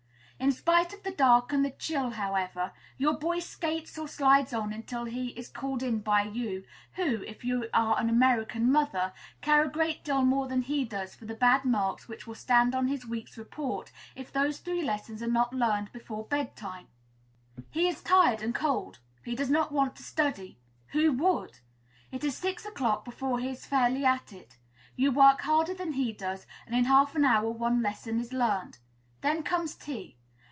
In spite of the dark and the chill, however, your boy skates or slides on until he is called in by you, who, if you are an American mother, care a great deal more than he does for the bad marks which will stand on his week's report if those three lessons are not learned before bed time. He is tired and cold; he does not want to study who would? It is six o'clock before he is fairly at it. You work harder than he does, and in half an hour one lesson is learned; then comes tea.